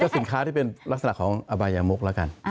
สินค้าที่เป็นลักษณะของอบายมกแล้วกัน